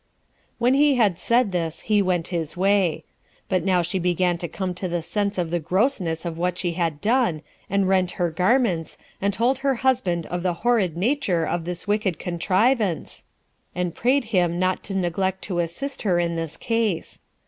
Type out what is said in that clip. When he had said this, he went his way. But now she began to come to the sense of the grossness of what she had done, and rent her garments, and told her husband of the horrid nature of this wicked contrivance, and prayed him not to neglect to assist her in this case.